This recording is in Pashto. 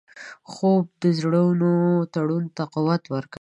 خوب د زړونو تړون ته قوت ورکوي